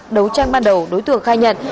đấu tranh ban đầu đối tượng khai nhận